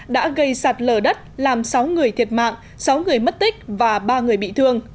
đã gây sạt lở đất làm sáu người thiệt mạng sáu người mất tích và ba người bị thương